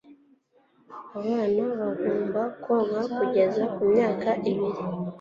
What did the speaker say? abana bagomba konka kugeza ku myaka ibiri